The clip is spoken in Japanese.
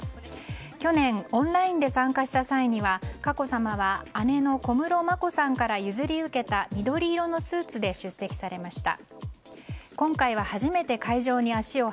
去年、オンラインで参加した際には佳子さまは姉の小室眞子さんから譲り受けた緑色のスーツで出席されました。